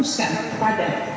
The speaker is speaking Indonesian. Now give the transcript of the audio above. indonesia akan fokus pada